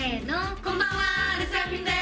こんばんは。